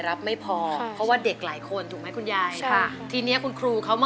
ก็ไปแล้วก็ไม่ได้เจอกันอีกเลย